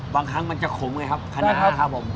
บางครั้งมันจะขุมไงครับขนานะครับผม